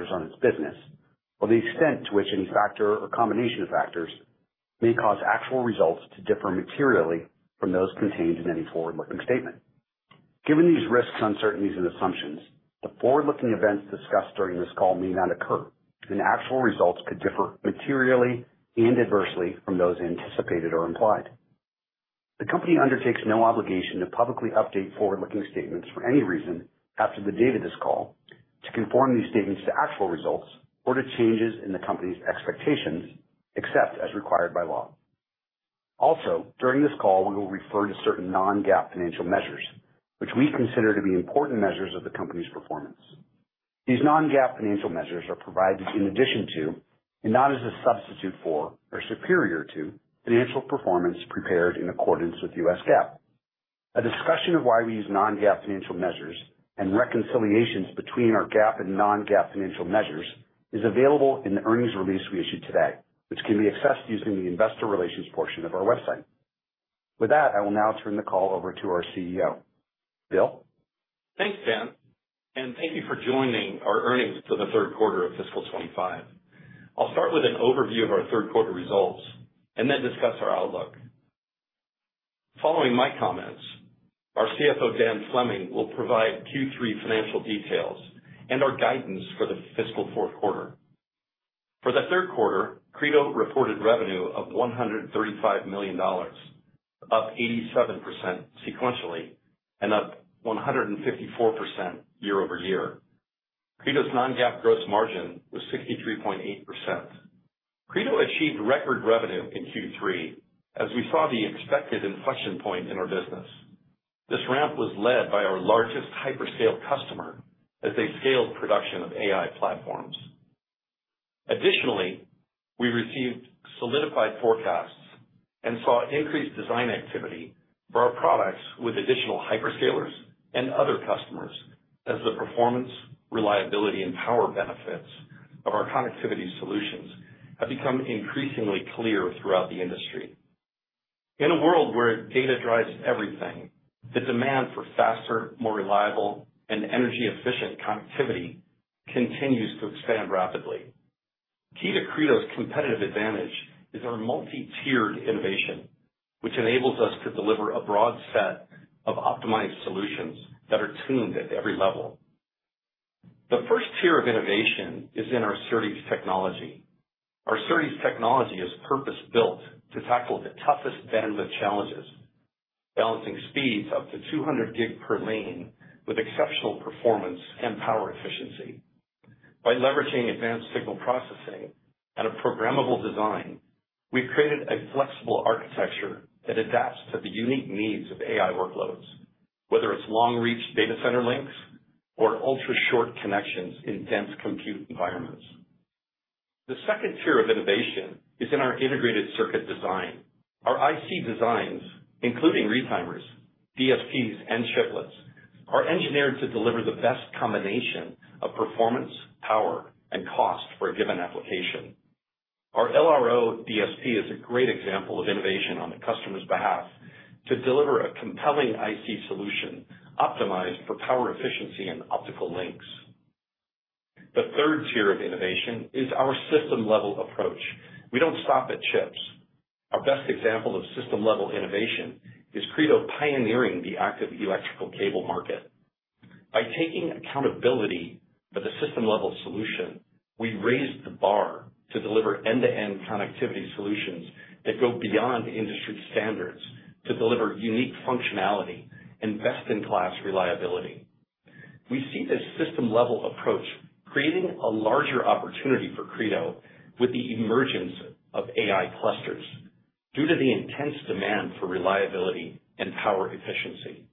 Factors on its business, or the extent to which any factor or combination of factors may cause actual results to differ materially from those contained in any forward-looking statement. Given these risks, uncertainties, and assumptions, the forward-looking events discussed during this call may not occur, and actual results could differ materially and adversely from those anticipated or implied. The company undertakes no obligation to publicly update forward-looking statements for any reason after the date of this call to conform these statements to actual results or to changes in the company's expectations, except as required by law. Also, during this call, we will refer to certain non-GAAP financial measures, which we consider to be important measures of the company's performance. These non-GAAP financial measures are provided in addition to, and not as a substitute for, or superior to, financial performance prepared in accordance with U.S. GAAP. A discussion of why we use non-GAAP financial measures and reconciliations between our GAAP and non-GAAP financial measures is available in the earnings release we issued today, which can be accessed using the investor relations portion of our website. With that, I will now turn the call over to our CEO, Bill. Thanks, Dan. And thank you for joining our earnings for the Q3 of fiscal 2025. I'll start with an overview of our Q3 results and then discuss our outlook. Following my comments, our CFO, Dan Fleming, will provide Q3 financial details and our guidance for the fiscal Q4. For the Q3, Credo reported revenue of $135 million, up 87% sequentially and up 154% year-over- year. Credo's non-GAAP gross margin was 63.8%. Credo achieved record revenue in Q3, as we saw the expected inflection point in our business. This ramp was led by our largest hyperscale customer as they scaled production of AI platforms. Additionally, we received solidified forecasts and saw increased design activity for our products with additional hyperscalers and other customers, as the performance, reliability, and power benefits of our connectivity solutions have become increasingly clear throughout the industry. In a world where data drives everything, the demand for faster, more reliable, and energy-efficient connectivity continues to expand rapidly. Key to Credo's competitive advantage is our multi-tiered innovation, which enables us to deliver a broad set of optimized solutions that are tuned at every level. The first tier of innovation is in our SerDes technology. Our SerDes technology is purpose-built to tackle the toughest bandwidth challenges, balancing speeds up to 200 gig per lane with exceptional performance and power efficiency. By leveraging advanced signal processing and a programmable design, we've created a flexible architecture that adapts to the unique needs of AI workloads, whether it's long-reach data center links or ultra-short connections in dense compute environments. The second tier of innovation is in our integrated circuit design. Our IC designs, including retimers, DSPs, and chiplets, are engineered to deliver the best combination of performance, power, and cost for a given application. Our LRO DSP is a great example of innovation on the customer's behalf to deliver a compelling IC solution optimized for power efficiency and optical links. The third tier of innovation is our system-level approach. We don't stop at chips. Our best example of system-level innovation is Credo pioneering the active electrical cable market. By taking accountability for the system-level solution, we raised the bar to deliver end-to-end connectivity solutions that go beyond industry standards to deliver unique functionality and best-in-class reliability. We see this system-level approach creating a larger opportunity for Credo with the emergence of AI clusters due to the intense demand for reliability and power efficiency.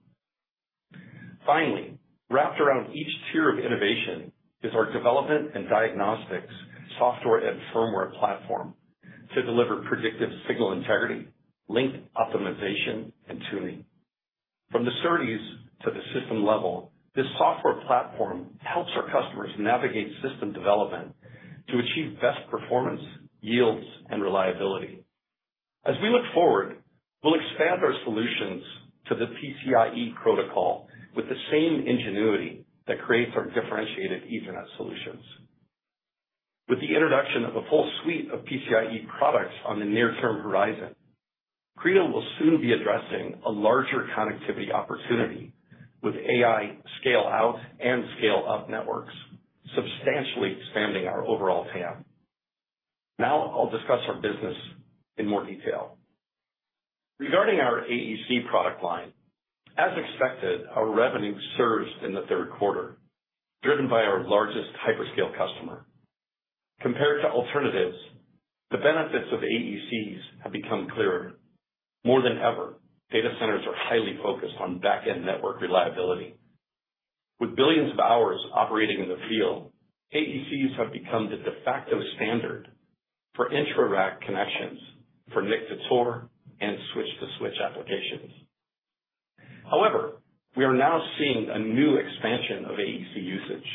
Finally, wrapped around each tier of innovation is our development and diagnostics software and firmware platform to deliver predictive signal integrity, link optimization, and tuning. From the SerDes to the system level, this software platform helps our customers navigate system development to achieve best performance, yields, and reliability. As we look forward, we'll expand our solutions to the PCIe protocol with the same ingenuity that creates our differentiated Ethernet solutions. With the introduction of a full suite of PCIe products on the near-term horizon, Credo will soon be addressing a larger connectivity opportunity with AI scale-out and scale-up networks, substantially expanding our overall TAM. Now I'll discuss our business in more detail. Regarding our AEC product line, as expected, our revenue surged in the Q3, driven by our largest hyperscale customer. Compared to alternatives, the benefits of AECs have become clearer. More than ever, data centers are highly focused on back-end network reliability. With billions of hours operating in the field, AECs have become the de facto standard for intra-rack connections for NIC to ToR and switch-to-switch applications. However, we are now seeing a new expansion of AEC usage.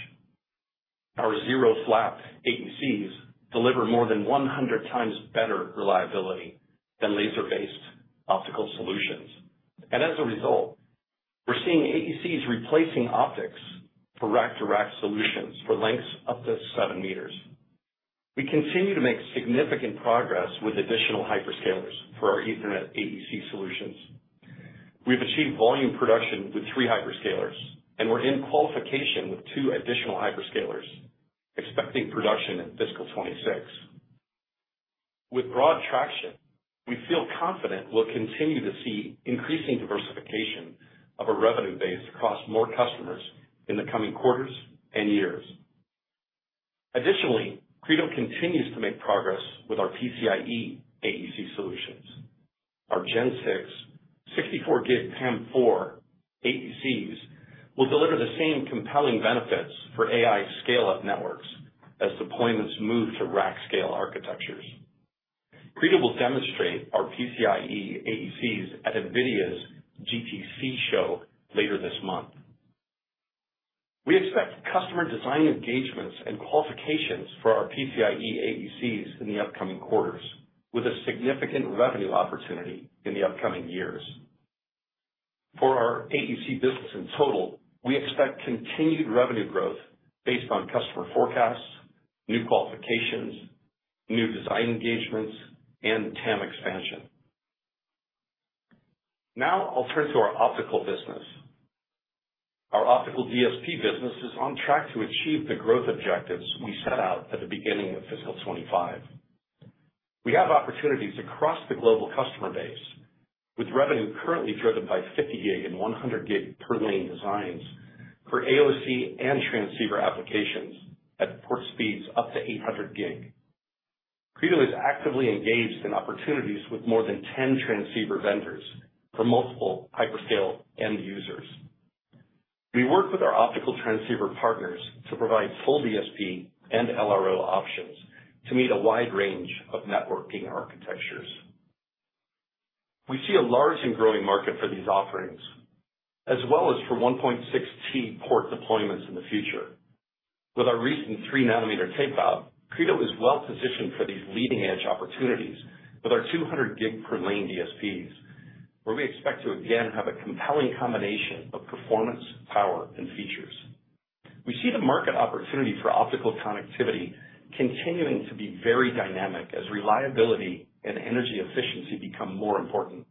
Our zero-flap AECs deliver more than 100 times better reliability than laser-based optical solutions, and as a result, we're seeing AECs replacing optics for rack-to-rack solutions for lengths up to seven meters. We continue to make significant progress with additional hyperscalers for our Ethernet AEC solutions. We've achieved volume production with three hyperscalers, and we're in qualification with two additional hyperscalers, expecting production in fiscal 2026. With broad traction, we feel confident we'll continue to see increasing diversification of our revenue base across more customers in the coming quarters and years. Additionally, Credo continues to make progress with our PCIe AEC solutions. Our 6th Gen, 64-gig PAM4 AECs will deliver the same compelling benefits for AI scale-up networks as deployments move to rack-scale architectures. Credo will demonstrate our PCIe AECs at NVIDIA's GTC show later this month. We expect customer design engagements and qualifications for our PCIe AECs in the upcoming quarters, with a significant revenue opportunity in the upcoming years. For our AEC business in total, we expect continued revenue growth based on customer forecasts, new qualifications, new design engagements, and TAM expansion. Now I'll turn to our optical business. Our optical DSP business is on track to achieve the growth objectives we set out at the beginning of fiscal 2025. We have opportunities across the global customer base, with revenue currently driven by 50 gig and 100 gig per lane designs for AOC and transceiver applications at port speeds up to 800 gig. Credo is actively engaged in opportunities with more than 10 transceiver vendors for multiple hyperscale end users. We work with our optical transceiver partners to provide full DSP and LRO options to meet a wide range of networking architectures. We see a large and growing market for these offerings, as well as for 1.6T port deployments in the future. With our recent 3-nanometer tape-out, Credo is well positioned for these leading-edge opportunities with our 200 gig per lane DSPs, where we expect to again have a compelling combination of performance, power, and features. We see the market opportunity for optical connectivity continuing to be very dynamic as reliability and energy efficiency become more important.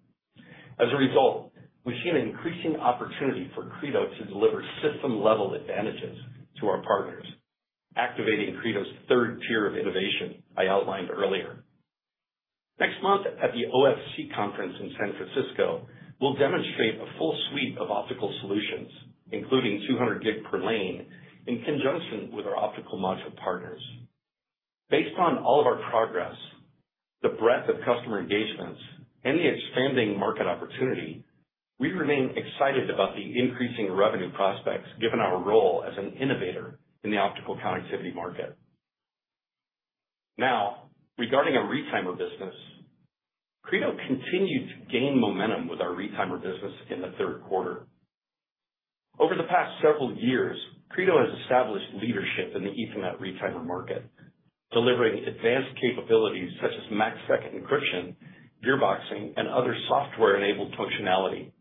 As a result, we see an increasing opportunity for Credo to deliver system-level advantages to our partners, activating Credo's third tier of innovation I outlined earlier. Next month at the OFC conference in San Francisco, we'll demonstrate a full suite of optical solutions, including 200 gig per lane, in conjunction with our optical module partners. Based on all of our progress, the breadth of customer engagements, and the expanding market opportunity, we remain excited about the increasing revenue prospects given our role as an innovator in the optical connectivity market. Now, regarding our retimer business, Credo continued to gain momentum with our retimer business in the Q3. Over the past several years, Credo has established leadership in the Ethernet retimer market, delivering advanced capabilities such as MACsec encryption, gearboxing, and other software-enabled functionality.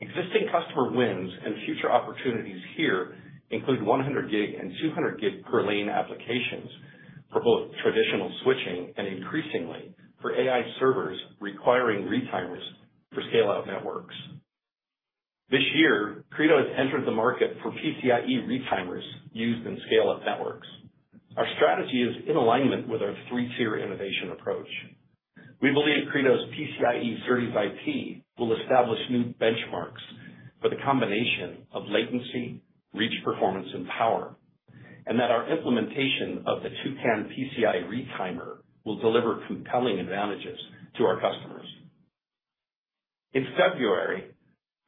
Existing customer wins and future opportunities here include 100 gig and 200 gig per lane applications for both traditional switching and, increasingly, for AI servers requiring retimers for scale-out networks. This year, Credo has entered the market for PCIe retimers used in scale-up networks. Our strategy is in alignment with our three-tier innovation approach. We believe Credo's PCIe SerDes IP will establish new benchmarks for the combination of latency, reach performance, and power, and that our implementation of the Toucan PCIe retimer will deliver compelling advantages to our customers. In February,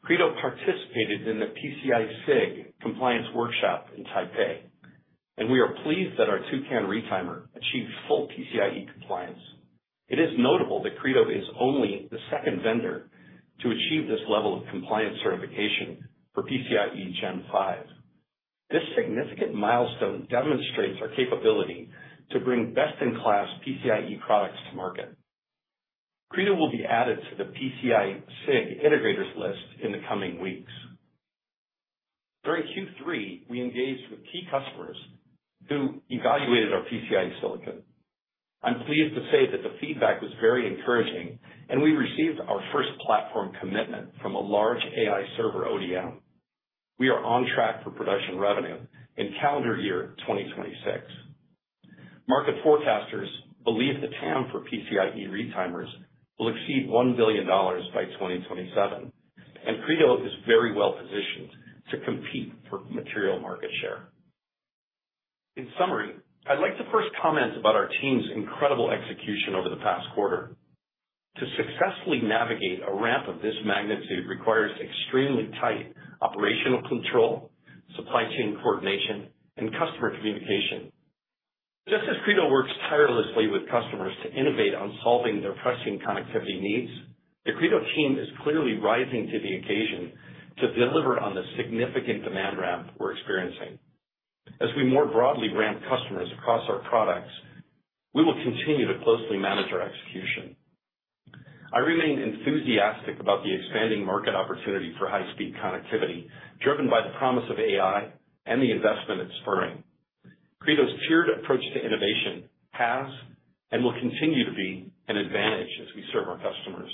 Credo participated in the PCI-SIG Compliance Workshop in Taipei, and we are pleased that our Toucan retimer achieved full PCIe compliance. It is notable that Credo is only the second vendor to achieve this level of compliance certification for PCIe 5th Gen. This significant milestone demonstrates our capability to bring best-in-class PCIe products to market. Credo will be added to the PCI-SIG Integrators List in the coming weeks. During Q3, we engaged with key customers who evaluated our PCIe silicon. I'm pleased to say that the feedback was very encouraging, and we received our first platform commitment from a large AI server ODM. We are on track for production revenue in calendar year 2026. Market forecasters believe the TAM for PCIe retimers will exceed $1 billion by 2027, and Credo is very well positioned to compete for material market share. In summary, I'd like to first comment about our team's incredible execution over the past quarter. To successfully navigate a ramp of this magnitude requires extremely tight operational control, supply chain coordination, and customer communication. Just as Credo works tirelessly with customers to innovate on solving their pressing connectivity needs, the Credo team is clearly rising to the occasion to deliver on the significant demand ramp we're experiencing. As we more broadly ramp customers across our products, we will continue to closely manage our execution. I remain enthusiastic about the expanding market opportunity for high-speed connectivity, driven by the promise of AI and the investment it's spurring. Credo's tiered approach to innovation has and will continue to be an advantage as we serve our customers.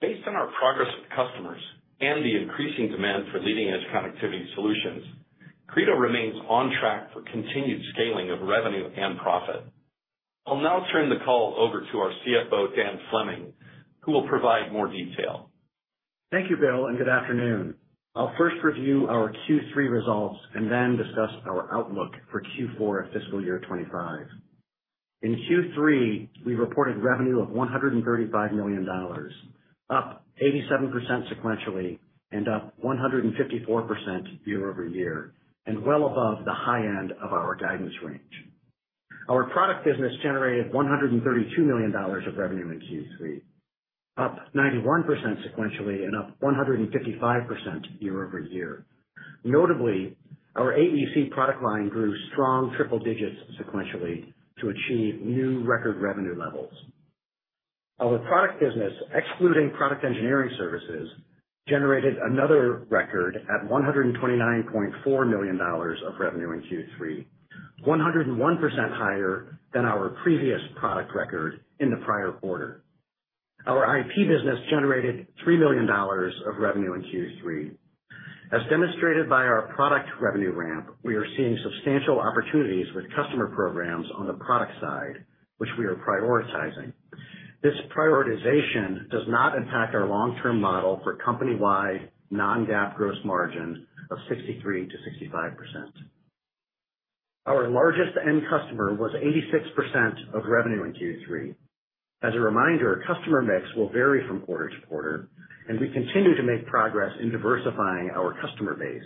Based on our progress with customers and the increasing demand for leading-edge connectivity solutions, Credo remains on track for continued scaling of revenue and profit. I'll now turn the call over to our CFO, Dan Fleming, who will provide more detail. Thank you, Bill, and good afternoon. I'll first review our Q3 results and then discuss our outlook for Q4 of fiscal year 2025. In Q3, we reported revenue of $135 million, up 87% sequentially and up 154% year-over-year, and well above the high end of our guidance range. Our product business generated $132 million of revenue in Q3, up 91% sequentially and up 155% year-over-year. Notably, our AEC product line grew strong triple digits sequentially to achieve new record revenue levels. Our product business, excluding product engineering services, generated another record at $129.4 million of revenue in Q3, 101% higher than our previous product record in the prior quarter. Our IP business generated $3 million of revenue in Q3. As demonstrated by our product revenue ramp, we are seeing substantial opportunities with customer programs on the product side, which we are prioritizing. This prioritization does not impact our long-term model for company-wide non-GAAP gross margin of 63%-65%. Our largest end customer was 86% of revenue in Q3. As a reminder, customer mix will vary from quarter to quarter, and we continue to make progress in diversifying our customer base.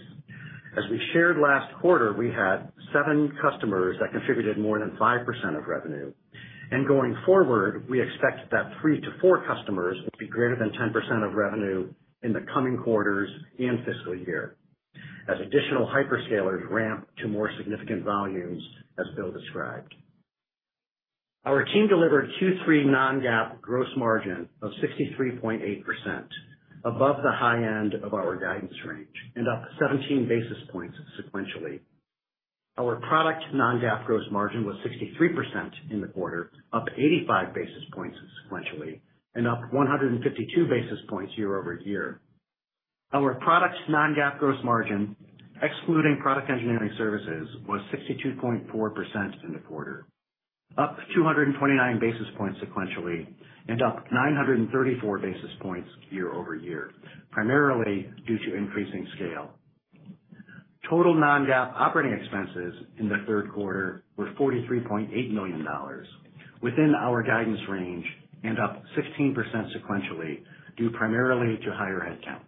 As we shared last quarter, we had seven customers that contributed more than 5% of revenue. Going forward, we expect that three to four customers will be greater than 10% of revenue in the coming quarters and fiscal year as additional hyperscalers ramp to more significant volumes, as Bill described. Our team delivered Q3 non-GAAP gross margin of 63.8%, above the high end of our guidance range and up 17 basis points sequentially. Our product non-GAAP gross margin was 63% in the quarter, up 85 basis points sequentially, and up 152 basis points year-over-year. Our product non-GAAP gross margin, excluding product engineering services, was 62.4% in the quarter, up 229 basis points sequentially, and up 934 basis points year-over-year, primarily due to increasing scale. Total non-GAAP operating expenses in the Q3 were $43.8 million, within our guidance range and up 16% sequentially due primarily to higher headcount.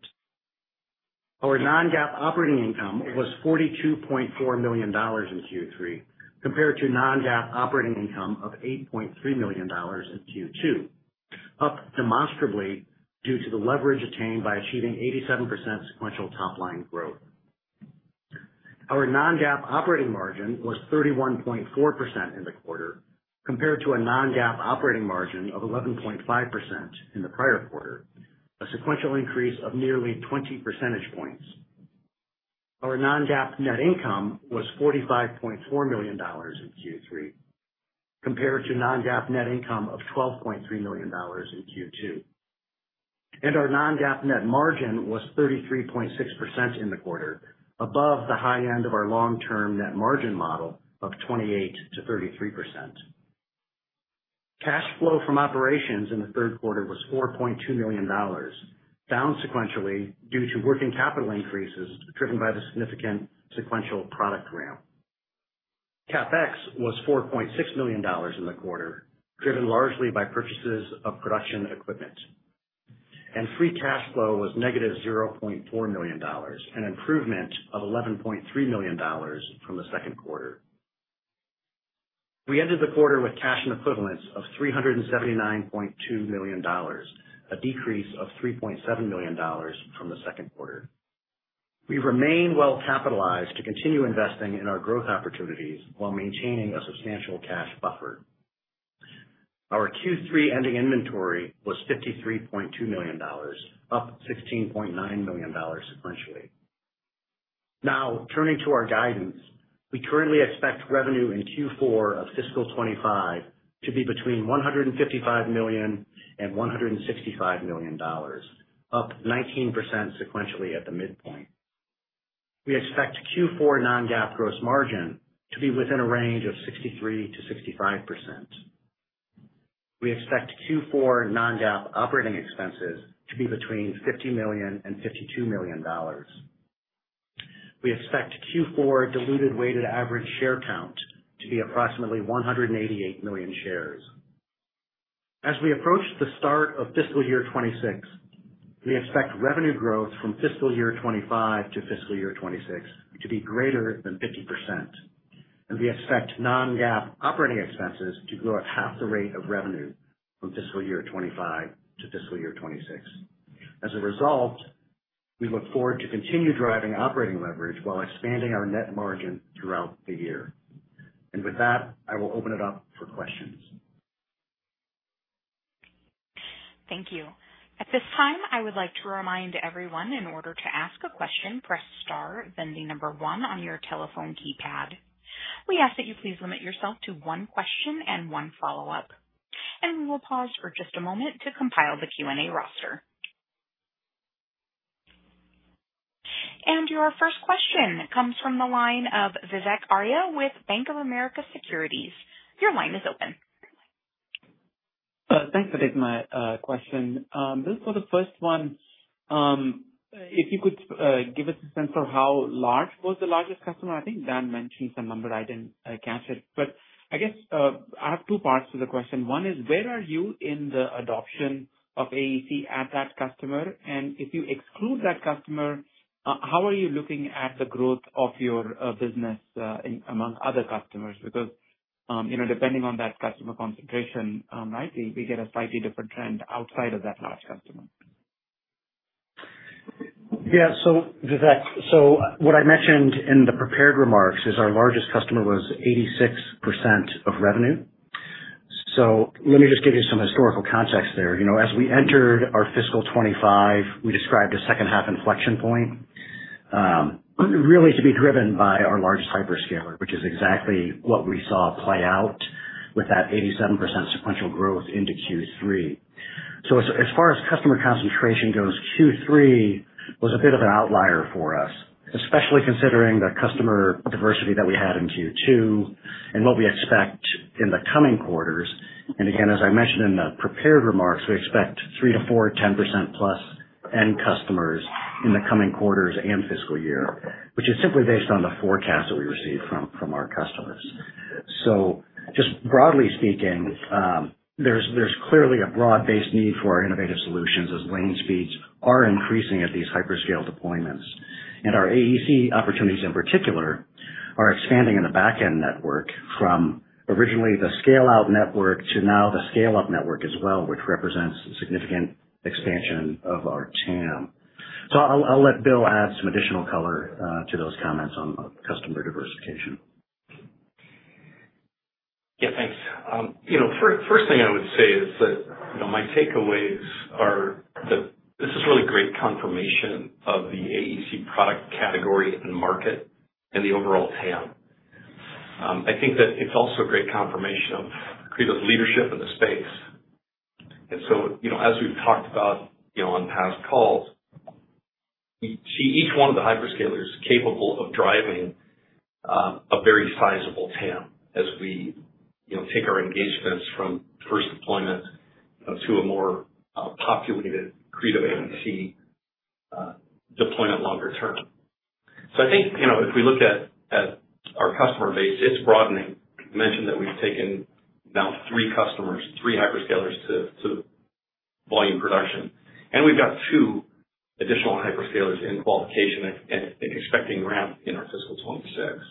Our non-GAAP operating income was $42.4 million in Q3, compared to non-GAAP operating income of $8.3 million in Q2, up demonstrably due to the leverage attained by achieving 87% sequential top-line growth. Our non-GAAP operating margin was 31.4% in the quarter, compared to a non-GAAP operating margin of 11.5% in the prior quarter, a sequential increase of nearly 20 percentage points. Our non-GAAP net income was $45.4 million in Q3, compared to non-GAAP net income of $12.3 million in Q2, and our non-GAAP net margin was 33.6% in the quarter, above the high end of our long-term net margin model of 28%-33%. Cash flow from operations in the Q3 was $4.2 million, down sequentially due to working capital increases driven by the significant sequential product ramp. CapEx was $4.6 million in the quarter, driven largely by purchases of production equipment. Free cash flow was negative $0.4 million, an improvement of $11.3 million from the Q2. We ended the quarter with cash and equivalents of $379.2 million, a decrease of $3.7 million from the Q2. We remain well capitalized to continue investing in our growth opportunities while maintaining a substantial cash buffer. Our Q3 ending inventory was $53.2 million, up $16.9 million sequentially. Now, turning to our guidance, we currently expect revenue in Q4 of fiscal 25 to be between $155 million and $165 million, up 19% sequentially at the midpoint. We expect Q4 non-GAAP gross margin to be within a range of 63% to 65%. We expect Q4 non-GAAP operating expenses to be between $50 million and $52 million. We expect Q4 diluted weighted average share count to be approximately 188 million shares. As we approach the start of fiscal year 2026, we expect revenue growth from fiscal year 2025 to fiscal year 2026 to be greater than 50%. And we expect non-GAAP operating expenses to grow at half the rate of revenue from fiscal year 2025 to fiscal year 2026. As a result, we look forward to continuing to drive operating leverage while expanding our net margin throughout the year. And with that, I will open it up for questions. Thank you. At this time, I would like to remind everyone, in order to ask a question, press star, then the number one on your telephone keypad. We ask that you please limit yourself to one question and one follow-up. And we will pause for just a moment to compile the Q&A roster. And your first question comes from the line of Vivek Arya with Bank of America Securities. Your line is open. Thanks for taking my question. This was the first one. If you could give us a sense of how large was the largest customer? I think Dan mentioned some number, I didn't catch it. But I guess I have two parts to the question. One is, where are you in the adoption of AEC at that customer? And if you exclude that customer, how are you looking at the growth of your business among other customers? Because depending on that customer concentration, right, we get a slightly different trend outside of that large customer. Yeah. So what I mentioned in the prepared remarks is our largest customer was 86% of revenue. So let me just give you some historical context there. As we entered our fiscal 2025, we described a second-half inflection point, really to be driven by our largest hyperscaler, which is exactly what we saw play out with that 87% sequential growth into Q3. So as far as customer concentration goes, Q3 was a bit of an outlier for us, especially considering the customer diversity that we had in Q2 and what we expect in the coming quarters. And again, as I mentioned in the prepared remarks, we expect 3%-4%, 10% plus end customers in the coming quarters and fiscal year, which is simply based on the forecast that we received from our customers. So just broadly speaking, there's clearly a broad-based need for our innovative solutions as lane speeds are increasing at these hyperscale deployments. And our AEC opportunities, in particular, are expanding in the backend network from originally the scale-out network to now the scale-up network as well, which represents a significant expansion of our TAM. So I'll let Bill add some additional color to those comments on customer diversification. Yeah, thanks. First thing I would say is that my takeaways are that this is really great confirmation of the AEC product category and market and the overall TAM. I think that it's also great confirmation of Credo's leadership in the space. And so as we've talked about on past calls, we see each one of the hyperscalers capable of driving a very sizable TAM as we take our engagements from first deployment to a more populated Credo AEC deployment longer term. So I think if we look at our customer base, it's broadening. I mentioned that we've taken now three customers, three hyperscalers to volume production. And we've got two additional hyperscalers in qualification and expecting ramp in our fiscal 2026.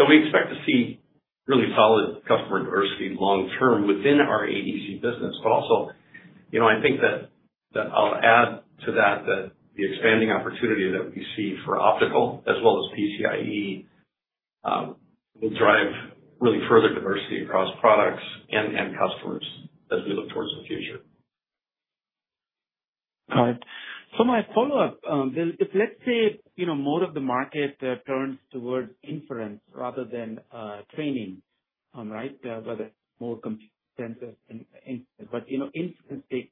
So we expect to see really solid customer diversity long-term within our AEC business. But also, I think that I'll add to that that the expanding opportunity that we see for optical as well as PCIe will drive really further diversity across products and end customers as we look towards the future. All right. So my follow-up, Bill, if let's say more of the market turns towards inference rather than training, right, whether more compute centers and inference, but inference takes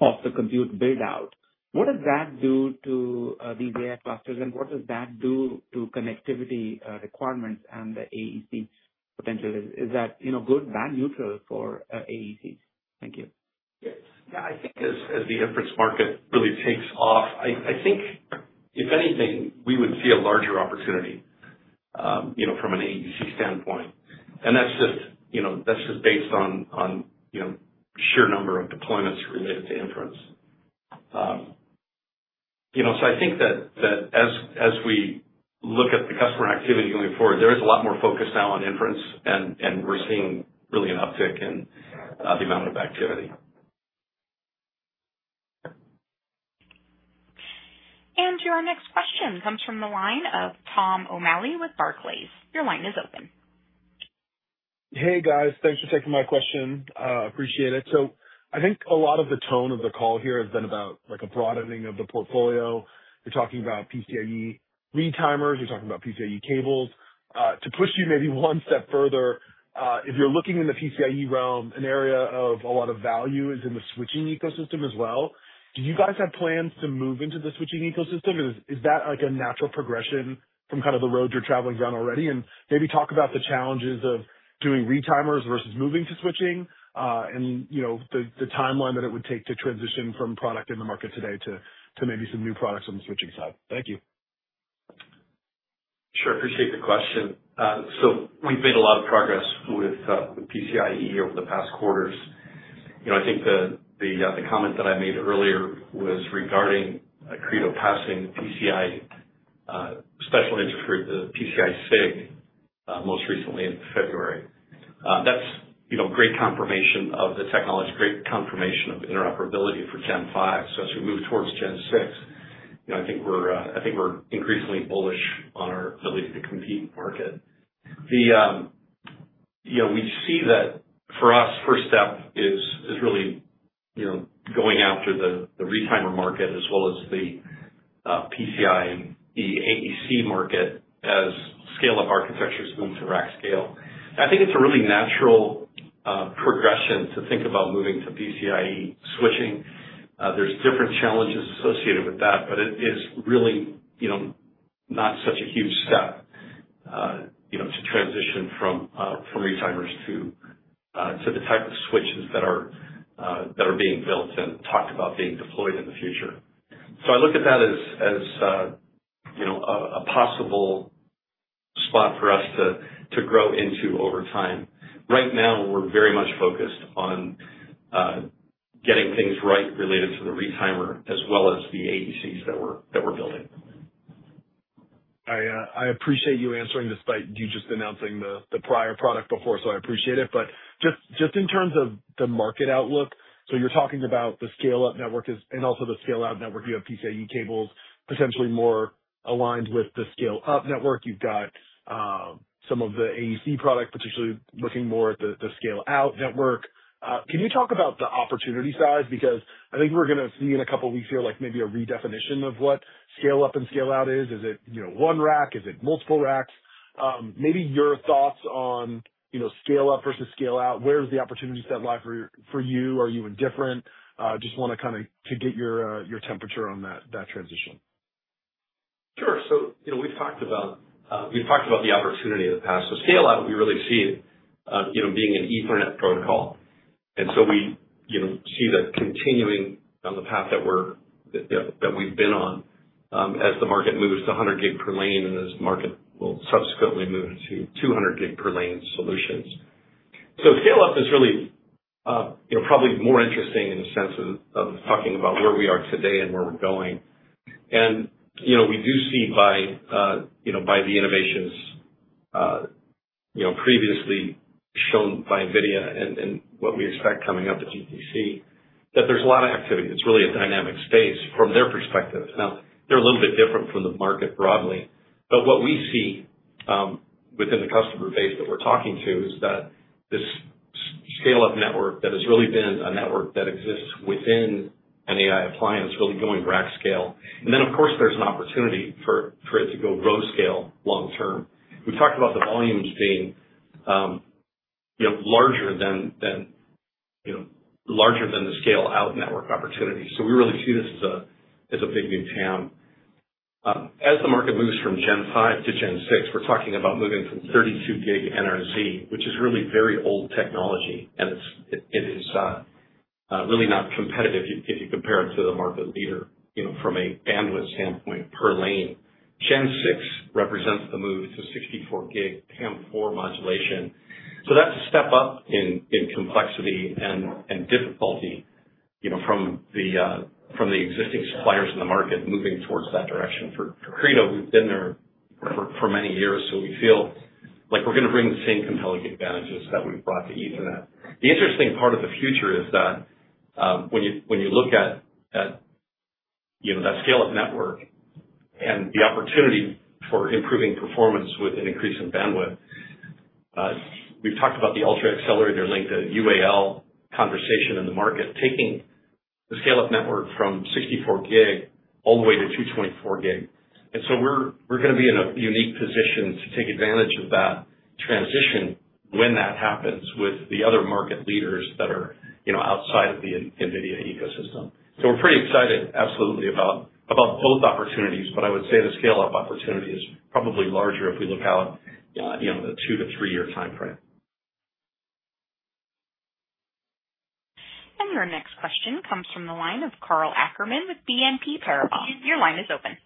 off the compute build-out, what does that do to these AI clusters? And what does that do to connectivity requirements and the AEC potential? Is that good, bad, neutral for AECs? Thank you. Yeah. Yeah. I think as the inference market really takes off, I think, if anything, we would see a larger opportunity from an AEC standpoint, and that's just based on sheer number of deployments related to inference. So I think that as we look at the customer activity going forward, there is a lot more focus now on inference, and we're seeing really an uptick in the amount of activity. and your next question comes from the line of Tom O'Malley with Barclays. Your line is open. Hey, guys. Thanks for taking my question. Appreciate it, so I think a lot of the tone of the call here has been about a broadening of the portfolio. We're talking about PCIe retimers. We're talking about PCIe cables. To push you maybe one step further, if you're looking in the PCIe realm, an area of a lot of value is in the switching ecosystem as well. Do you guys have plans to move into the switching ecosystem? Is that a natural progression from kind of the road you're traveling down already? And maybe talk about the challenges of doing retimers versus moving to switching and the timeline that it would take to transition from product in the market today to maybe some new products on the switching side. Thank you. Sure. Appreciate the question. So we've made a lot of progress with PCIe over the past quarters. I think the comment that I made earlier was regarding Credo passing PCI-SIG, the PCI-SIG, most recently in February. That's great confirmation of the technology, great confirmation of interoperability for 5th Gen. So as we move towards 6th Gen, I think we're increasingly bullish on our ability to compete in the market. We see that for us, first step is really going after the retimer market as well as the PCIe AEC market as scale-up architectures move to rack scale. I think it's a really natural progression to think about moving to PCIe switching. There's different challenges associated with that, but it is really not such a huge step to transition from retimers to the type of switches that are being built and talked about being deployed in the future. So I look at that as a possible spot for us to grow into over time. Right now, we're very much focused on getting things right related to the retimer as well as the AECs that we're building. I appreciate you answering despite you just announcing the prior product before, so I appreciate it. But just in terms of the market outlook, so you're talking about the scale-up network and also the scale-out network. You have PCIe cables, potentially more aligned with the scale-up network. You've got some of the AEC product, potentially looking more at the scale-out network. Can you talk about the opportunity size? Because I think we're going to see in a couple of weeks here maybe a redefinition of what scale-up and scale-out is. Is it one rack? Is it multiple racks? Maybe your thoughts on scale-up versus scale-out. Where is the opportunity set live for you? Are you indifferent? Just want to kind of get your temperature on that transition. Sure. So we've talked about the opportunity in the past. So scale-out, we really see it being an Ethernet protocol. And so we see the continuing on the path that we've been on as the market moves to 100 gig per lane and as the market will subsequently move to 200 gig per lane solutions. So scale-up is really probably more interesting in the sense of talking about where we are today and where we're going. And we do see by the innovations previously shown by NVIDIA and what we expect coming up at GTC that there's a lot of activity. It's really a dynamic space from their perspective. Now, they're a little bit different from the market broadly. But what we see within the customer base that we're talking to is that this scale-up network that has really been a network that exists within an AI appliance, really going rack scale. And then, of course, there's an opportunity for it to go cluster scale long-term. We talked about the volumes being larger than the scale-out network opportunity. So we really see this as a big new TAM. As the market moves from 5th Gen to 6th Gen, we're talking about moving from 32 gig NRZ, which is really very old technology, and it is really not competitive if you compare it to the market leader from a bandwidth standpoint per lane. 6th Gen represents the move to 64 gig PAM4 modulation. So that's a step up in complexity and difficulty from the existing suppliers in the market moving towards that direction. For Credo, we've been there for many years, so we feel like we're going to bring the same compelling advantages that we've brought to Ethernet. The interesting part of the future is that when you look at that scale-up network and the opportunity for improving performance with an increase in bandwidth, we've talked about the Ultra Accelerator Link, the UALink conversation in the market, taking the scale-up network from 64 gig all the way to 224 gig. And so we're going to be in a unique position to take advantage of that transition when that happens with the other market leaders that are outside of the NVIDIA ecosystem. So we're pretty excited, absolutely, about both opportunities. But I would say the scale-up opportunity is probably larger if we look out the two to three-year timeframe. And your next question comes from the line of Karl Ackerman with BNP Paribas. Your line is open.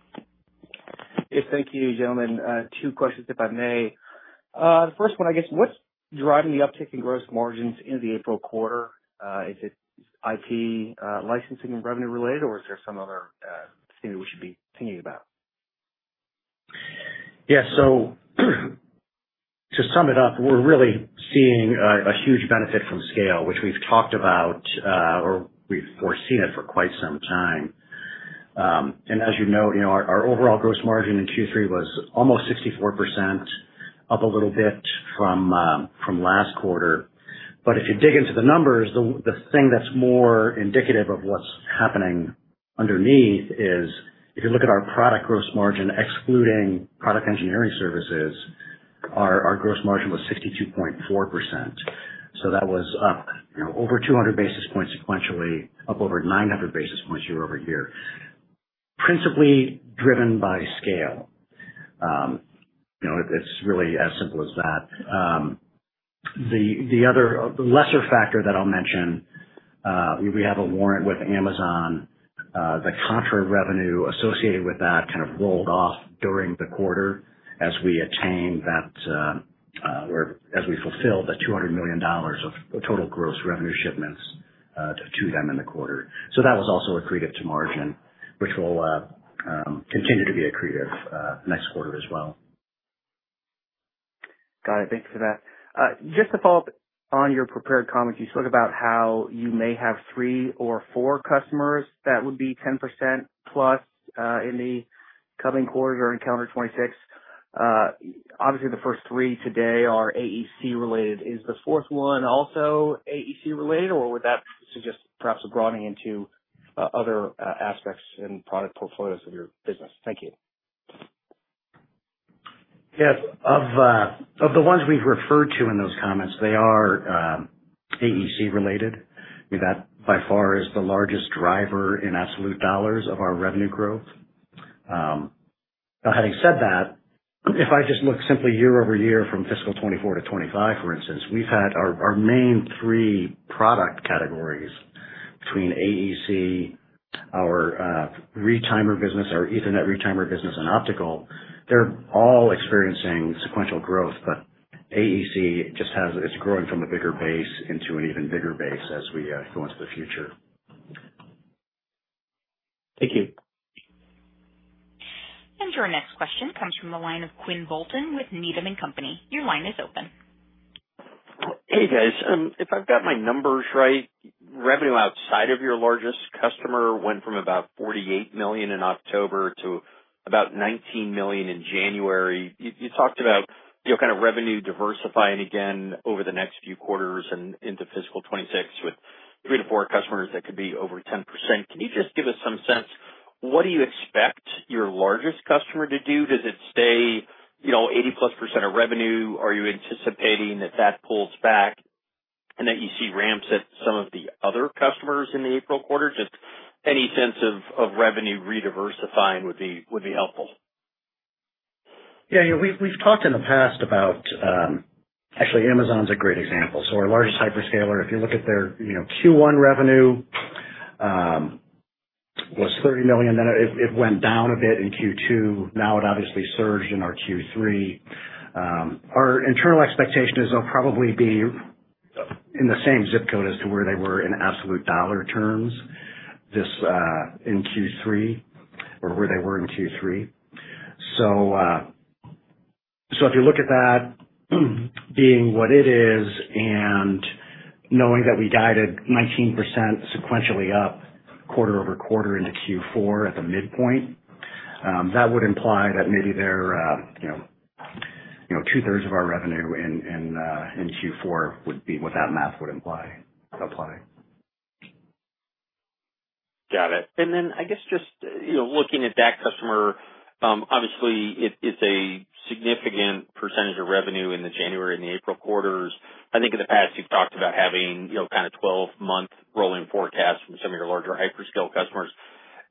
Thank you, gentlemen. Two questions, if I may. The first one, I guess, what's driving the uptick in gross margins in the April quarter? Is it IP licensing and revenue related, or is there some other thing that we should be thinking about? Yeah. So to sum it up, we're really seeing a huge benefit from scale, which we've talked about or we've foreseen it for quite some time. And as you know, our overall gross margin in Q3 was almost 64%, up a little bit from last quarter. But if you dig into the numbers, the thing that's more indicative of what's happening underneath is if you look at our product gross margin, excluding product engineering services, our gross margin was 62.4%. So that was up over 200 basis points sequentially, up over 900 basis points year-over-year, principally driven by scale. It's really as simple as that. The lesser factor that I'll mention, we have a warrant with Amazon. The contra revenue associated with that kind of rolled off during the quarter as we attained that, as we fulfilled the $200 million of total gross revenue shipments to them in the quarter. So that was also a credit to margin, which will continue to be a credit next quarter as well. Got it. Thanks for that. Just to follow up on your prepared comments, you spoke about how you may have three or four customers that would be 10% plus in the coming quarter or in calendar 2026. Obviously, the first three today are AEC related. Is the fourth one also AEC related, or would that suggest perhaps a broadening into other aspects and product portfolios of your business? Thank you. Yes. Of the ones we've referred to in those comments, they are AEC related. I mean, that by far is the largest driver in absolute dollars of our revenue growth. Now, having said that, if I just look simply year-over-year from fiscal 2024 to 2025, for instance, we've had our main three product categories between AEC, our retimer business, our Ethernet retimer business, and Optical. They're all experiencing sequential growth, but AEC just has it's growing from a bigger base into an even bigger base as we go into the future. Thank you. And your next question comes from the line of Quinn Bolton with Needham & Company. Your line is open. Hey, guys. If I've got my numbers right, revenue outside of your largest customer went from about $48 million in October to about $19 million in January. You talked about kind of revenue diversifying again over the next few quarters and into fiscal 2026 with three to four customers that could be over 10%. Can you just give us some sense? What do you expect your largest customer to do? Does it stay 80-plus% of revenue? Are you anticipating that that pulls back and that you see ramps at some of the other customers in the April quarter? Just any sense of revenue rediversifying would be helpful. Yeah. We've talked in the past about actually, Amazon's a great example. So our largest hyperscaler, if you look at their Q1 revenue, was $30 million. Then it went down a bit in Q2. Now it obviously surged in our Q3. Our internal expectation is they'll probably be in the same zip code as to where they were in absolute dollar terms in Q3 or where they were in Q3. So if you look at that being what it is and knowing that we guided 19% sequentially up quarter over quarter into Q4 at the midpoint, that would imply that maybe they're 2/3 of our revenue in Q4 would be what that math would apply. Got it. And then I guess just looking at that customer, obviously, it's a significant percentage of revenue in the January and the April quarters. I think in the past, you've talked about having kind of 12-month rolling forecasts from some of your larger hyperscale customers.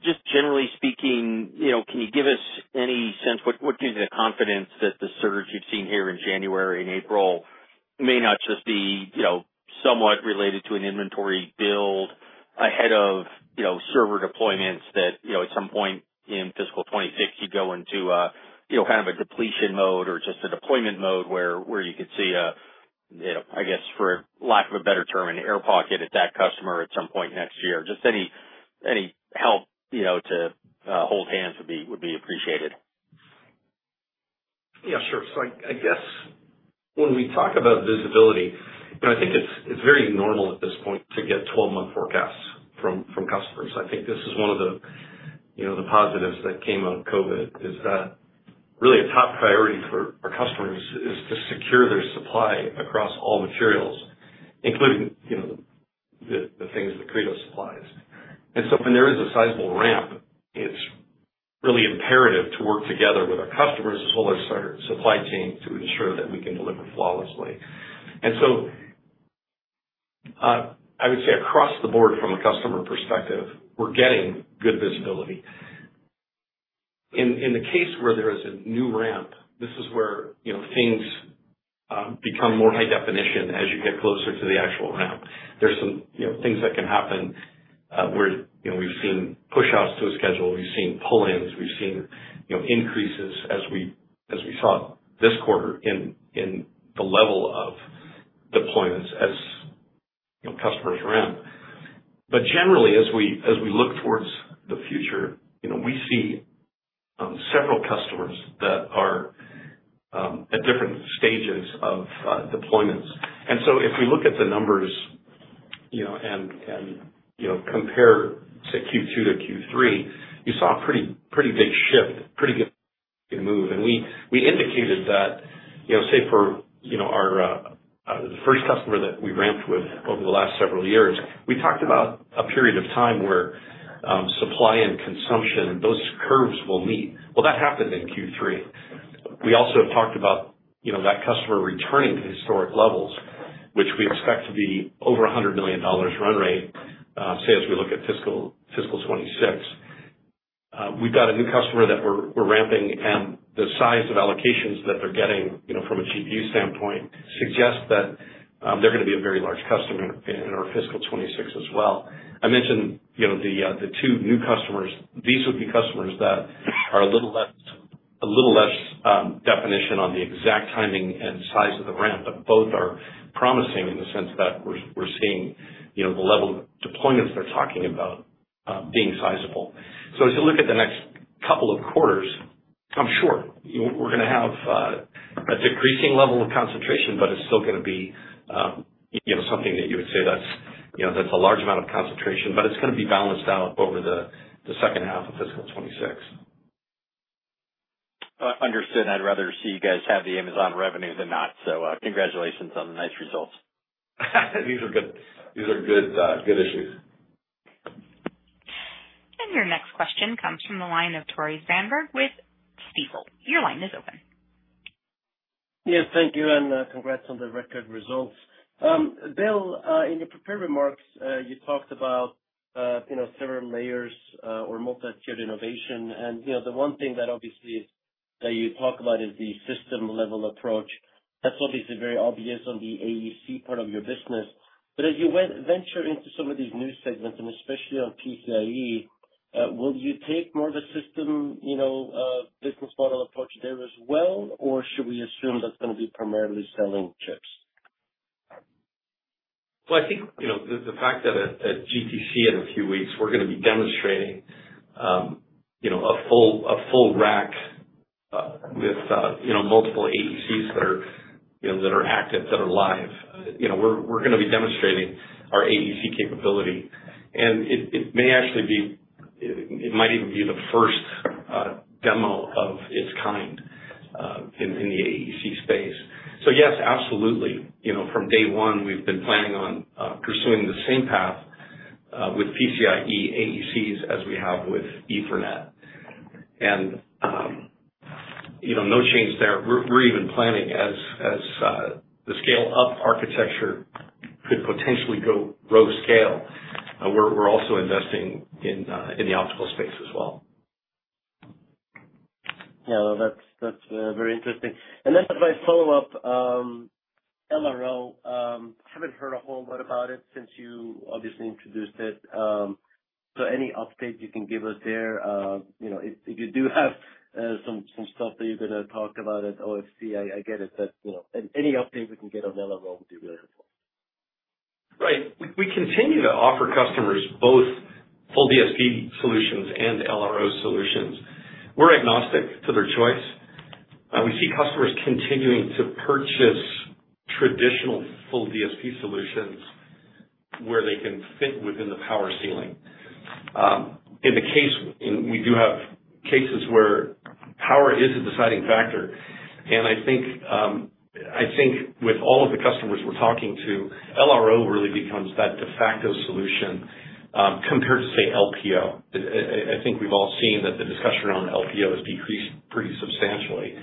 Just generally speaking, can you give us any sense? What gives you the confidence that the surge you've seen here in January and April may not just be somewhat related to an inventory build ahead of server deployments that at some point in fiscal 2026, you go into kind of a depletion mode or just a deployment mode where you could see, I guess, for lack of a better term, an air pocket at that customer at some point next year? Just any help to hold hands would be appreciated. Yeah, sure. So I guess when we talk about visibility, I think it's very normal at this point to get 12-month forecasts from customers. I think this is one of the positives that came out of COVID is that really a top priority for our customers is to secure their supply across all materials, including the things that Credo supplies. When there is a sizable ramp, it's really imperative to work together with our customers as well as our supply chain to ensure that we can deliver flawlessly. I would say across the board from a customer perspective, we're getting good visibility. In the case where there is a new ramp, this is where things become more high definition as you get closer to the actual ramp. There's some things that can happen where we've seen push-outs to a schedule. We've seen pull-ins. We've seen increases as we saw this quarter in the level of deployments as customers ramp. Generally, as we look toward the future, we see several customers that are at different stages of deployments. If we look at the numbers and compare Q2 to Q3, you saw a pretty big shift, pretty good move. We indicated that, say, for the first customer that we ramped with over the last several years, we talked about a period of time where supply and consumption, those curves will meet. Well, that happened in Q3. We also talked about that customer returning to historic levels, which we expect to be over $100 million run rate, say, as we look at fiscal 2026. We've got a new customer that we're ramping, and the size of allocations that they're getting from a GPU standpoint suggests that they're going to be a very large customer in our fiscal 2026 as well. I mentioned the two new customers. These would be customers that are a little less definition on the exact timing and size of the ramp, but both are promising in the sense that we're seeing the level of deployments they're talking about being sizable. So as you look at the next couple of quarters, I'm sure we're going to have a decreasing level of concentration, but it's still going to be something that you would say that's a large amount of concentration, but it's going to be balanced out over the second half of fiscal '26. Understood. I'd rather see you guys have the Amazon revenue than not. So congratulations on the nice results. These are good issues. And your next question comes from the line of Tore Svanberg with Stifel. Your line is open. Yes. Thank you. And congrats on the record results. Bill, in your prepared remarks, you talked about several layers or multi-tiered innovation. And the one thing that obviously that you talk about is the system-level approach. That's obviously very obvious on the AEC part of your business. But as you venture into some of these new segments, and especially on PCIe, will you take more of a system business model approach there as well, or should we assume that's going to be primarily selling chips? Well, I think the fact that at GTC in a few weeks, we're going to be demonstrating a full rack with multiple AECs that are active, that are live. We're going to be demonstrating our AEC capability. And it may actually be it might even be the first demo of its kind in the AEC space. So yes, absolutely. From day one, we've been planning on pursuing the same path with PCIe AECs as we have with Ethernet. And no change there. We're even planning as the scale-up architecture could potentially go row scale. We're also investing in the optical space as well. Yeah. That's very interesting. And then as I follow up, LRO, haven't heard a whole lot about it since you obviously introduced it. So any update you can give us there? If you do have some stuff that you're going to talk about at OFC, I get it. But any update we can get on LRO would be really helpful. Right. We continue to offer customers both full DSP solutions and LRO solutions. We're agnostic to their choice. We see customers continuing to purchase traditional full DSP solutions where they can fit within the power ceiling. In the case, we do have cases where power is a deciding factor. And I think with all of the customers we're talking to, LRO really becomes that de facto solution compared to, say, LPO. I think we've all seen that the discussion around LPO has decreased pretty substantially.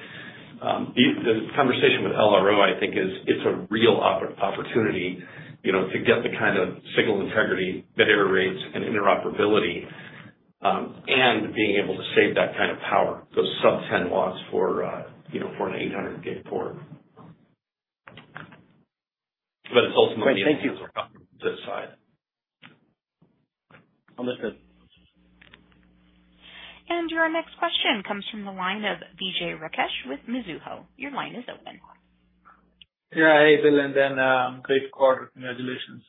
The conversation with LRO, I think, is it's a real opportunity to get the kind of signal integrity, bit error rates, and interoperability, and being able to save that kind of power, those sub-10 watts for an 800 gig port. But it's ultimately a business on the customer's side. Understood. Your next question comes from the line of Vijay Rakesh with Mizuho. Your line is open. Yeah. Hey, Bill and Dan, great quarter. Congratulations.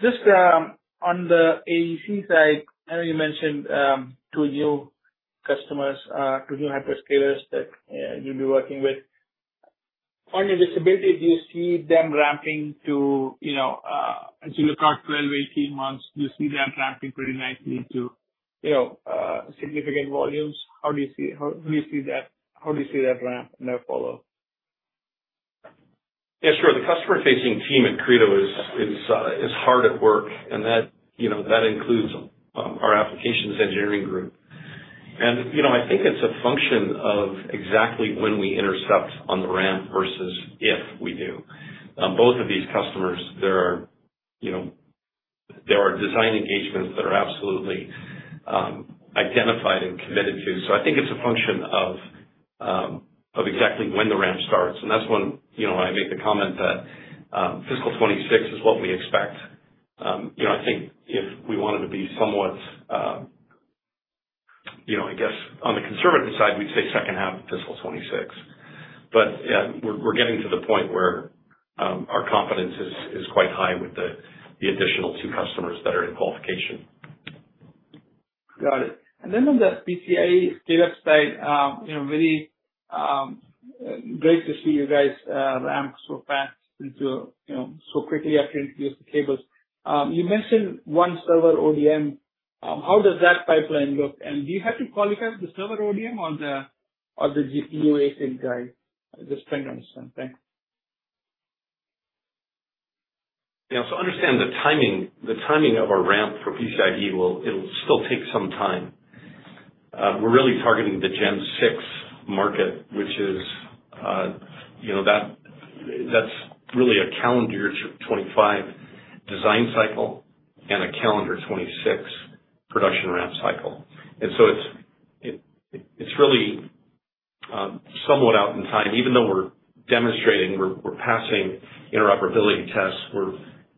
Just on the AEC side, I know you mentioned two new customers, two new hyperscalers that you'll be working with. On your visibility, do you see them ramping to, as you look out 12-18 months, do you see them ramping pretty nicely to significant volumes? How do you see that? How do you see that ramp in their follow-up? Yeah, sure. The customer-facing team at Credo is hard at work, and that includes our applications engineering group, and I think it's a function of exactly when we intercept on the ramp versus if we do, so I think it's a function of exactly when the ramp starts, and that's when I make the comment that fiscal 2026 is what we expect. I think if we wanted to be somewhat, I guess, on the conservative side, we'd say second half of fiscal 2026, but yeah, we're getting to the point where our confidence is quite high with the additional two customers that are in qualification. Got it, and then on the PCIe data side, really great to see you guys ramp so fast and so quickly after introducing cables. You mentioned one server ODM. How does that pipeline look? And do you have to qualify the server ODM or the GPU-based guy? Just trying to understand. Thanks. Yeah. So understand the timing of our ramp for PCIe. It'll still take some time. We're really targeting the 6th Gen market, which is that's really a calendar year 2025 design cycle and a calendar 2026 production ramp cycle. And so it's really somewhat out in time. Even though we're demonstrating, we're passing interoperability tests, we're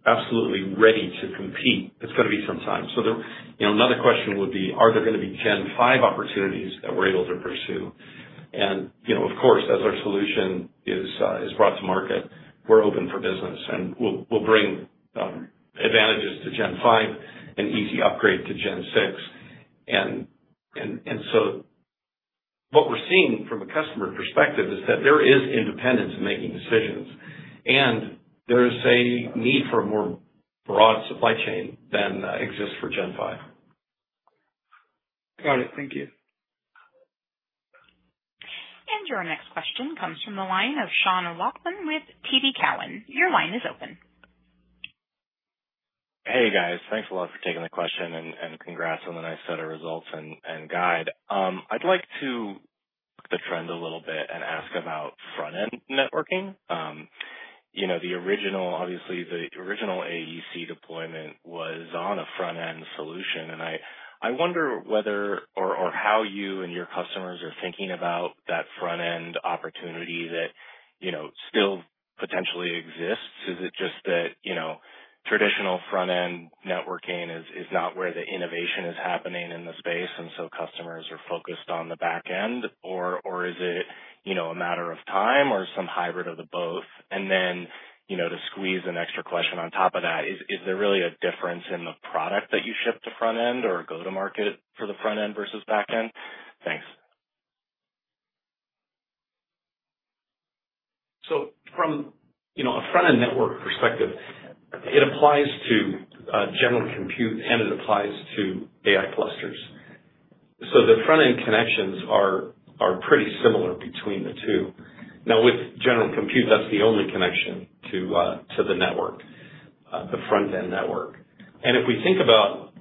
absolutely ready to compete. It's going to be some time. Another question would be, are there going to be 5th Gen opportunities that we're able to pursue? And of course, as our solution is brought to market, we're open for business. We'll bring advantages to 5th Gen and easy upgrade to 6th Gen. And so what we're seeing from a customer perspective is that there is independence in making decisions, and there is a need for a more broad supply chain than exists for 5th Gen. Got it. Thank you. And your next question comes from the line of Sean O'Loughlin with TD Cowen. Your line is open. Hey, guys. Thanks a lot for taking the question, and congrats on the nice set of results and guide. I'd like to look at the trend a little bit and ask about front-end networking. Obviously, the original AEC deployment was on a front-end solution. And I wonder whether or how you and your customers are thinking about that front-end opportunity that still potentially exists. Is it just that traditional front-end networking is not where the innovation is happening in the space, and so customers are focused on the back end? Or is it a matter of time or some hybrid of the both? And then to squeeze an extra question on top of that, is there really a difference in the product that you ship to front-end or go to market for the front-end versus back-end? Thanks. So from a front-end network perspective, it applies to general compute, and it applies to AI clusters. So the front-end connections are pretty similar between the two. Now, with general compute, that's the only connection to the network, the front-end network. And if we think about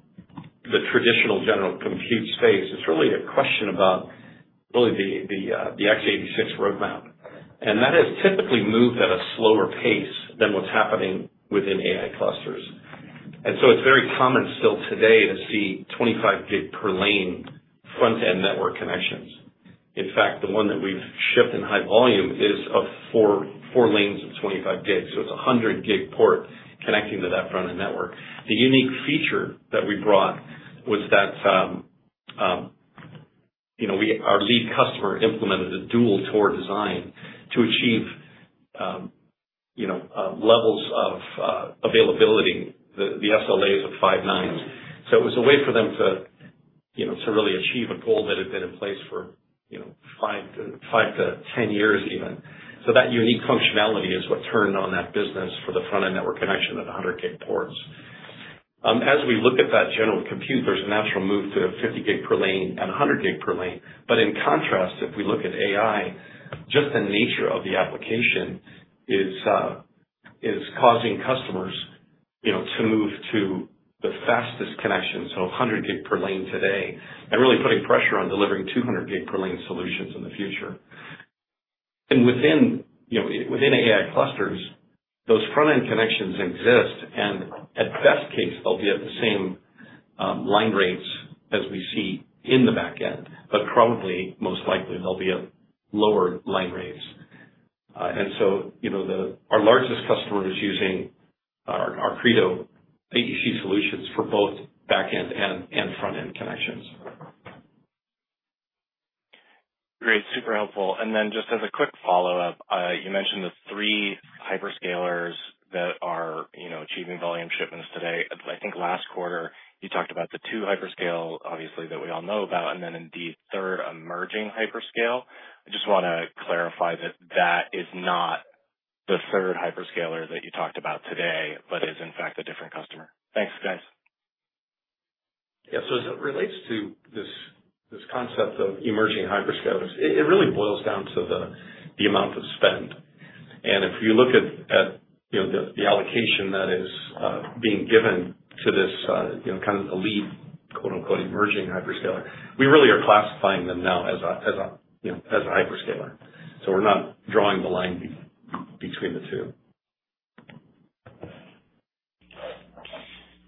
the traditional general compute space, it's really a question about really the x86 roadmap. And that has typically moved at a slower pace than what's happening within AI clusters. And so it's very common still today to see 25 gig per lane front-end network connections. In fact, the one that we've shipped in high volume is of four lanes of 25 gig. So it's a 100 gig port connecting to that front-end network. The unique feature that we brought was that our lead customer implemented a dual-ToR design to achieve levels of availability, the SLAs of Five Nines. So it was a way for them to really achieve a goal that had been in place for five to 10 years even. So that unique functionality is what turned on that business for the front-end network connection at 100 gig ports. As we look at that general compute, there's a natural move to 50 gig per lane and 100 gig per lane. But in contrast, if we look at AI, just the nature of the application is causing customers to move to the fastest connection, so 100 gig per lane today, and really putting pressure on delivering 200 gig per lane solutions in the future. And within AI clusters, those front-end connections exist, and at best case, they'll be at the same line rates as we see in the back end, but probably most likely they'll be at lower line rates. And so our largest customer is using our Credo AEC solutions for both back-end and front-end connections. Great. Super helpful. And then just as a quick follow-up, you mentioned the three hyperscalers that are achieving volume shipments today. I think last quarter, you talked about the two hyperscalers, obviously, that we all know about, and then indeed third emerging hyperscaler. I just want to clarify that that is not the third hyperscaler that you talked about today, but is in fact a different customer. Thanks, guys. Yeah. So as it relates to this concept of emerging hyperscalers, it really boils down to the amount of spend. And if you look at the allocation that is being given to this kind of elite, quote-unquote, "emerging hyperscaler," we really are classifying them now as a hyperscaler. So we're not drawing the line between the two.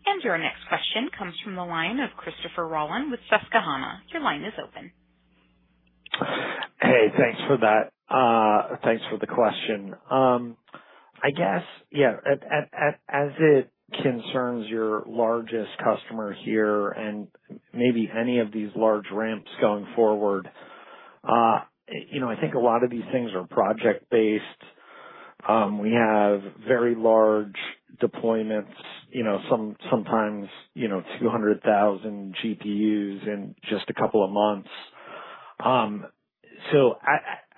And your next question comes from the line of Christopher Rolland with Susquehanna. Your line is open. Hey, thanks for that. Thanks for the question. I guess, yeah, as it concerns your largest customer here and maybe any of these large ramps going forward, I think a lot of these things are project-based. We have very large deployments, sometimes 200,000 GPUs in just a couple of months.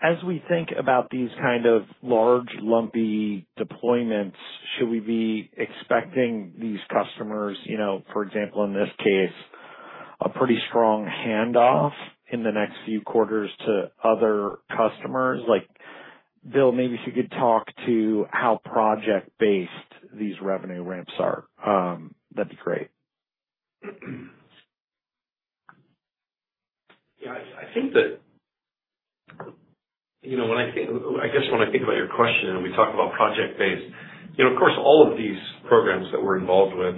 As we think about these kind of large, lumpy deployments, should we be expecting these customers, for example, in this case, a pretty strong handoff in the next few quarters to other customers? Bill, maybe if you could talk to how project-based these revenue ramps are, that'd be great. Yeah. I think that, I guess, when I think about your question and we talk about project-based, of course, all of these programs that we're involved with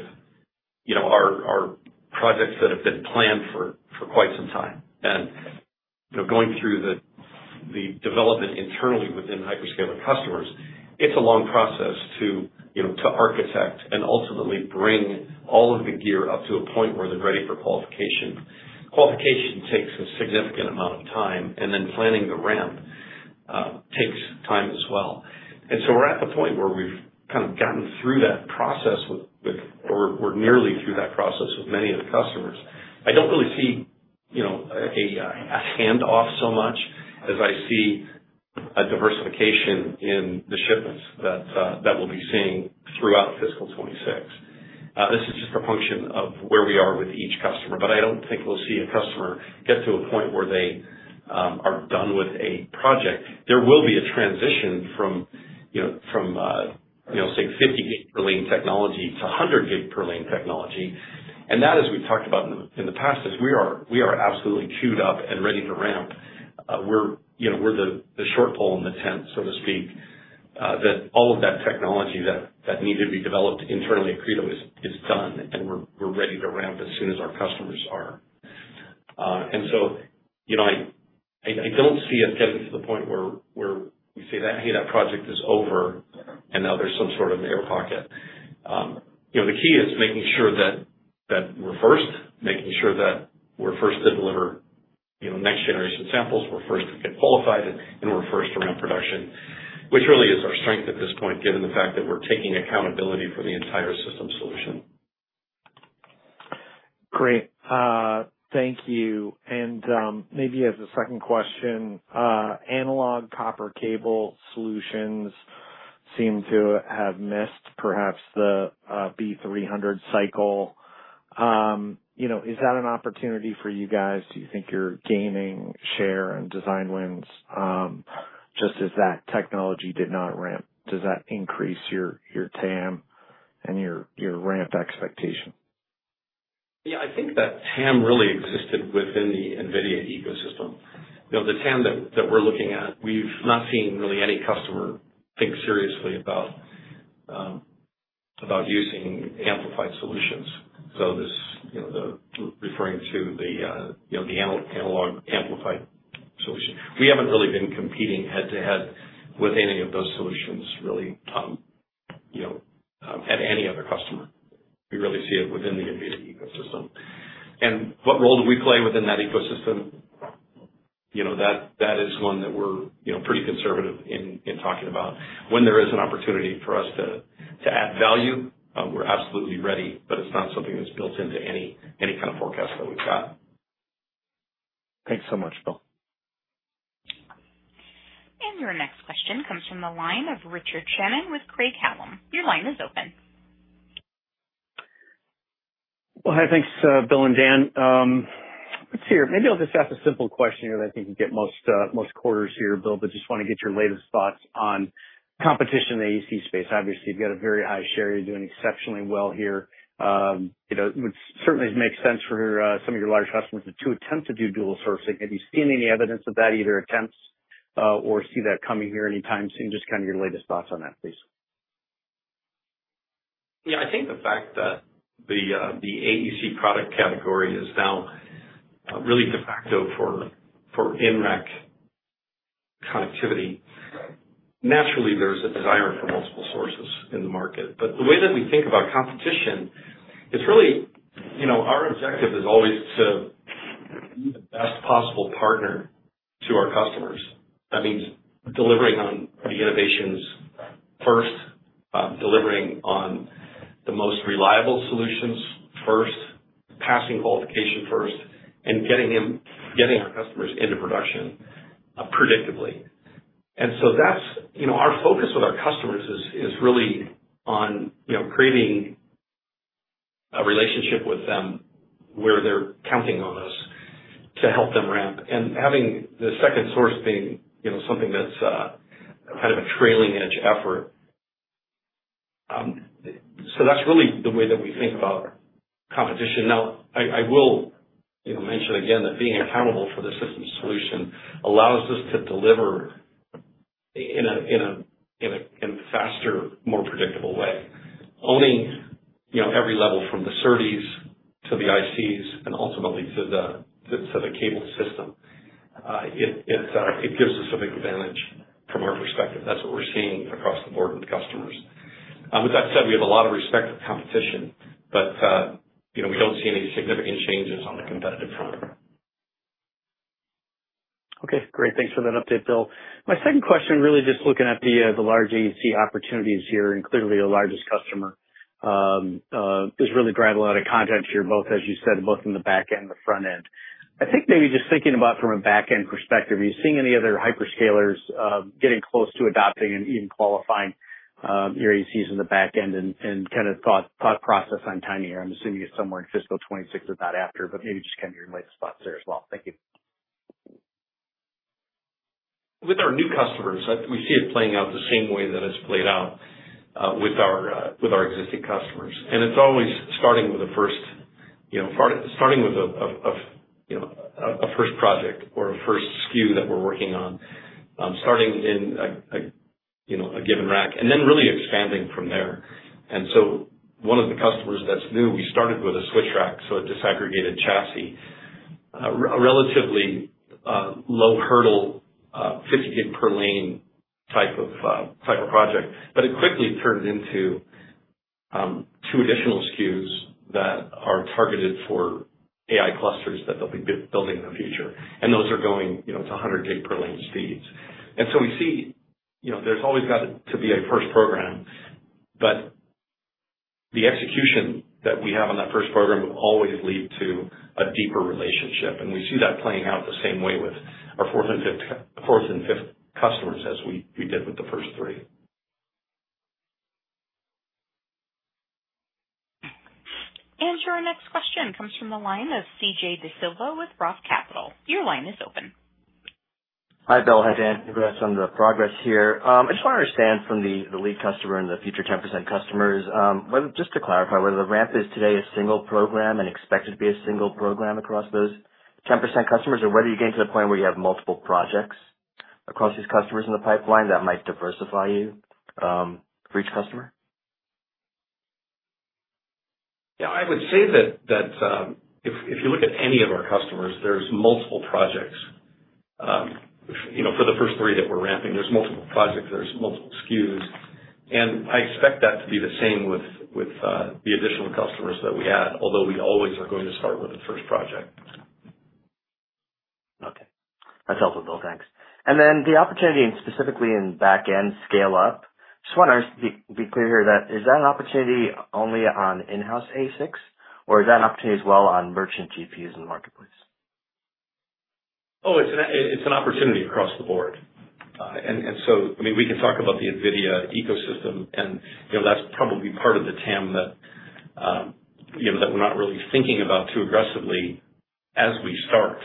are projects that have been planned for quite some time. And going through the development internally within hyperscaler customers, it's a long process to architect and ultimately bring all of the gear up to a point where they're ready for qualification. Qualification takes a significant amount of time, and then planning the ramp takes time as well. We're at the point where we've kind of gotten through that process with, or we're nearly through that process with many of the customers. I don't really see a handoff so much as I see a diversification in the shipments that we'll be seeing throughout fiscal 2026. This is just a function of where we are with each customer, but I don't think we'll see a customer get to a point where they are done with a project. There will be a transition from, say, 50 gig per lane technology to 100 gig per lane technology. That, as we've talked about in the past, is we are absolutely queued up and ready to ramp. We're the short pole in the tent, so to speak, that all of that technology that needed to be developed internally at Credo is done, and we're ready to ramp as soon as our customers are. And so I don't see us getting to the point where we say, "Hey, that project is over," and now there's some sort of air pocket. The key is making sure that we're first, making sure that we're first to deliver next-generation samples, we're first to get qualified, and we're first around production, which really is our strength at this point, given the fact that we're taking accountability for the entire system solution. Great. Thank you. And maybe as a second question, analog copper cable solutions seem to have missed perhaps the B300 cycle. Is that an opportunity for you guys? Do you think you're gaining share in design wins just as that technology did not ramp? Does that increase your TAM and your ramp expectation? Yeah. I think that TAM really existed within the NVIDIA ecosystem. The TAM that we're looking at, we've not seen really any customer think seriously about using amplified solutions. So, referring to the analog amplified solution, we haven't really been competing head-to-head with any of those solutions, really, at any other customer. We really see it within the NVIDIA ecosystem. And what role do we play within that ecosystem? That is one that we're pretty conservative in talking about. When there is an opportunity for us to add value, we're absolutely ready, but it's not something that's built into any kind of forecast that we've got. Thanks so much, Bill. And your next question comes from the line of Richard Shannon with Craig-Hallum. Your line is open. Well, hey, thanks, Bill and Dan. Let's see here. Maybe I'll just ask a simple question here that I think you get most quarters here, Bill, but just want to get your latest thoughts on competition in the AEC space. Obviously, you've got a very high share. You're doing exceptionally well here. It would certainly make sense for some of your large customers to attempt to do dual sourcing. Have you seen any evidence of that, either attempts or see that coming here anytime soon? Just kind of your latest thoughts on that, please. Yeah. I think the fact that the AEC product category is now really de facto for AEC connectivity, naturally, there's a desire for multiple sources in the market. But the way that we think about competition, it's really our objective is always to be the best possible partner to our customers. That means delivering on the innovations first, delivering on the most reliable solutions first, passing qualification first, and getting our customers into production predictably. And so our focus with our customers is really on creating a relationship with them where they're counting on us to help them ramp. And having the second source being something that's kind of a trailing-edge effort. So that's really the way that we think about competition. Now, I will mention again that being accountable for the system solution allows us to deliver in a faster, more predictable way. Owning every level from the SerDes to the ICs and ultimately to the cable system, it gives us a big advantage from our perspective. That's what we're seeing across the board with customers. With that said, we have a lot of respect for competition, but we don't see any significant changes on the competitive front. Okay. Great. Thanks for that update, Bill. My second question, really just looking at the large AEC opportunities here and clearly the largest customer, is really driving a lot of content here, both, as you said, both in the back end and the front end. I think maybe just thinking about from a back-end perspective, are you seeing any other hyperscalers getting close to adopting and even qualifying your AECs in the back end and kind of thought process on time here? I'm assuming it's somewhere in fiscal 2026 or not after, but maybe just kind of your latest thoughts there as well. Thank you. With our new customers, we see it playing out the same way that it's played out with our existing customers. And it's always starting with a first project or a first SKU that we're working on, starting in a given rack, and then really expanding from there. And so one of the customers that's new, we started with a switch rack, so a disaggregated chassis, a relatively low hurdle, 50 gig per lane type of project, but it quickly turned into two additional SKUs that are targeted for AI clusters that they'll be building in the future. And those are going to 100 gig per lane speeds. And so we see there's always got to be a first program, but the execution that we have on that first program will always lead to a deeper relationship. And we see that playing out the same way with our fourth and fifth customers as we did with the first three. And your next question comes from the line of Suji Desilva with Roth Capital. Your line is open. Hi, Bill. Hi, Dan. Congrats on the progress here. I just want to understand from the lead customer and the future 10% customers, just to clarify, whether the ramp is today a single program and expected to be a single program across those 10% customers, or whether you're getting to the point where you have multiple projects across these customers in the pipeline that might diversify you for each customer? Yeah. I would say that if you look at any of our customers, there's multiple projects. For the first three that we're ramping, there's multiple projects. There's multiple SKUs. And I expect that to be the same with the additional customers that we add, although we always are going to start with the first project. Okay. That's helpful, Bill. Thanks. And then the opportunity, and specifically in back-end scale-up, just want to be clear here that is that an opportunity only on in-house ASICs, or is that an opportunity as well on merchant GPUs in the marketplace? Oh, it's an opportunity across the board. And so, I mean, we can talk about the NVIDIA ecosystem, and that's probably part of the TAM that we're not really thinking about too aggressively as we start.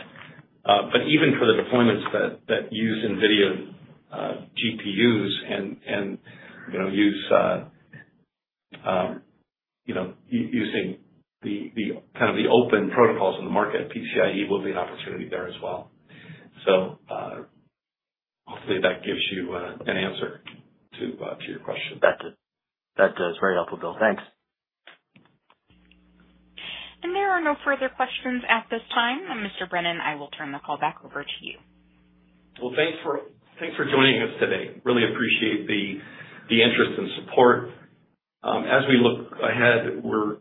But even for the deployments that use NVIDIA GPUs and use kind of the open protocols in the market, PCIe will be an opportunity there as well. So hopefully that gives you an answer to your question. That does. That does. Very helpful, Bill. Thanks. And there are no further questions at this time. Mr. Brennan, I will turn the call back over to you. Well, thanks for joining us today. Really appreciate the interest and support. As we look ahead, we're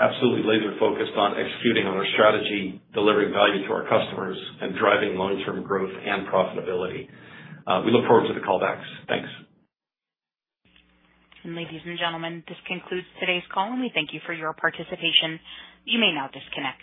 absolutely laser-focused on executing on our strategy, delivering value to our customers, and driving long-term growth and profitability. We look forward to the callbacks. Thanks. And ladies and gentlemen, this concludes today's call, and we thank you for your participation. You may now disconnect.